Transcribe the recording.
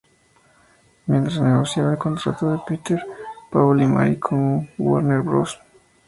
Mientras negociaba el contrato de Peter, Paul y Mary con Warner Bros.